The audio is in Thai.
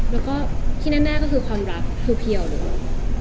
แล้วก็ที่แน่ก็คือความรักคือเพียวเลย